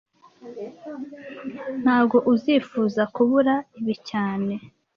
Ntago uzifuza kubura ibi cyane